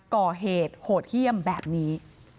ก่อเหตุโหดเยี่ยมแบบนี้